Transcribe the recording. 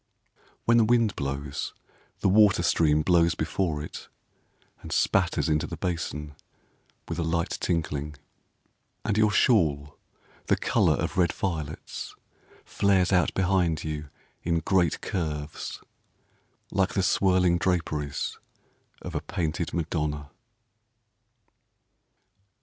When the wind blows, The water stream blows before it And spatters into the basin with a light tinkling, And your shawl the colour of red violets Flares out behind you in great curves Like the swirling draperies of a painted Madonna.